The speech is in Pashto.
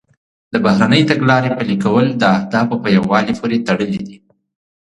د بهرنۍ تګلارې پلي کول د اهدافو په یووالي پورې تړلي دي